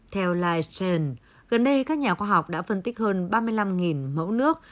theo lightgen gần đây các nhà khoa học đã phân tích hơn ba mươi năm mẫu nước